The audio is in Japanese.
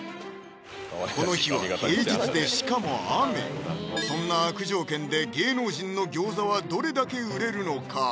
この日は平日でしかも雨そんな悪条件で芸能人の餃子はどれだけ売れるのか？